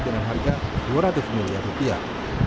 dengan harga dua ratus miliar rupiah